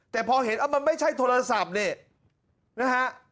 แต่พอเห็นมันไม่ใช่โทรศัพท์นี่นะฮะ